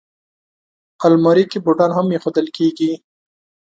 الماري کې بوټان هم ایښودل کېږي